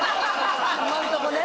今のとこね